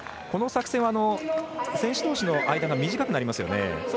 この作戦は、選手どうしの間が短くなりますよね。